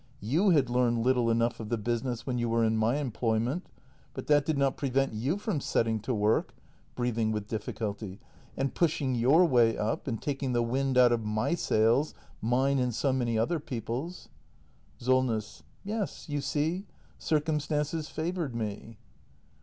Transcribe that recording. ] You had learned little enough of the business when you were in my employment. But that did not prevent you from setting to work — [breathing with difficulty] — and pushing your way up, and taking the wind out of my sails — mine, and so many other people's. Solness. Yes, you see — circumstances favoured me.